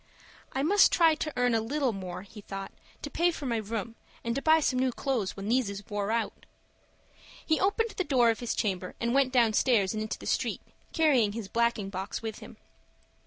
"I must try to earn a little more," he thought, "to pay for my room, and to buy some new clo'es when these is wore out." He opened the door of his chamber, and went downstairs and into the street, carrying his blacking box with him.